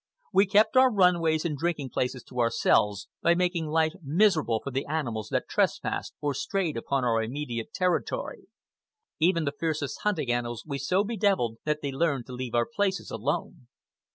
We kept our run ways and drinking places to ourselves by making life miserable for the animals that trespassed or strayed upon our immediate territory. Even the fiercest hunting animals we so bedevilled that they learned to leave our places alone.